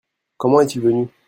Comment est-il venu ?